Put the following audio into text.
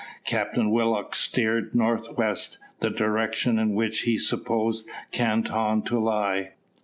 Captain Willock steered north west, the direction in which he supposed Canton to lie.